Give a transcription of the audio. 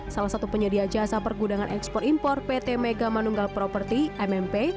salah satu penyedia jasa pergudangan ekspor impor pt mega manunggal property mmp